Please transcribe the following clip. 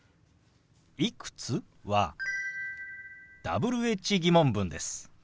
「いくつ？」はＷｈ−疑問文です。